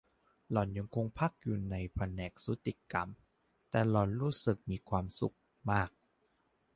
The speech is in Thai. หล่อนยังคงพักอยู่ในแผนกสูติกรรม แต่หล่อนรู้สึกมีความสุขมาก